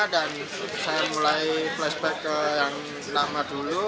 dan saya mulai flashback ke yang lama dulu